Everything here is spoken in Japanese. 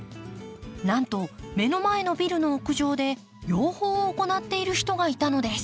なんと目の前のビルの屋上で養蜂を行っている人がいたのです。